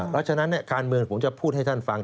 เพราะฉะนั้นการเมืองผมจะพูดให้ท่านฟัง